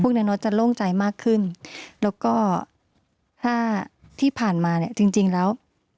นายโน๊ตจะโล่งใจมากขึ้นแล้วก็ห้าที่ผ่านมาเนี่ยจริงจริงแล้ว